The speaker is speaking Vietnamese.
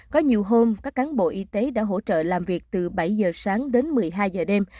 có nhiều hôm các cán bộ y tế đã hỗ trợ làm việc từ bảy giờ sáng đến một mươi hai giờ đêm